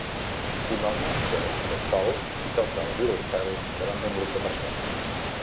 Un home seu tot sol i toca el violoncel davant d'un grup de persones